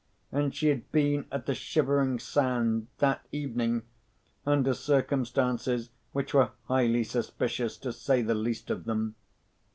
And she had been at the Shivering Sand, that evening, under circumstances which were highly suspicious, to say the least of them.